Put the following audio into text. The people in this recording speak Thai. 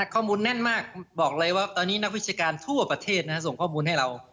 ข้อมูลแน่นมากบอกเลยว่าตอนนี้นักวิชาการทั่วประเทศส่งข้อมูลให้เรา